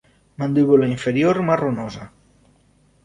Mandíbula inferior marronosa.